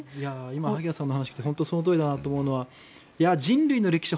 今、萩谷さんの話を聞いて本当にそのとおりだなと思うのが人類の歴史